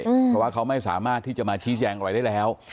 เพราะว่าเขาไม่สามารถที่จะมาชี้แจงอะไรได้แล้ว